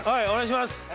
お願いします。